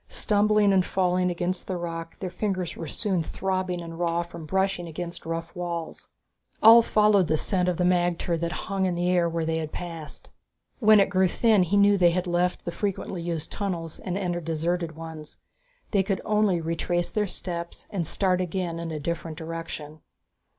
Stumbling and falling against the rock, their fingers were soon throbbing and raw from brushing against the rough walls. Ulv followed the scent of the magter that hung in the air where they had passed. When it grew thin he knew they had left the frequently used tunnels and entered deserted ones. They could only retrace their steps and start again in a different direction.